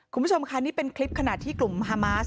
คุณผู้ชมค่ะนี่เป็นคลิปขณะที่กลุ่มฮามาส